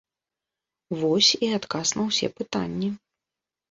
Вось, і адказ на ўсе пытанні.